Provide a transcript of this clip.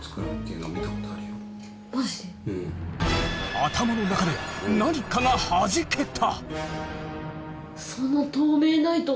頭の中で何かがはじけた！